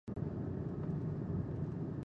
آیا دیني سیلانیان زیارتونو ته راځي؟